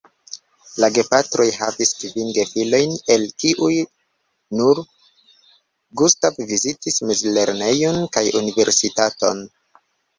La gepatroj havis kvin gefilojn, el kiuj nur Gustav vizitis mezlernejon kaj Universitaton.